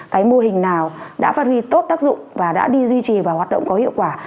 cái mô hình nào đã phát huy tốt tác dụng và đã đi duy trì và hoạt động có hiệu quả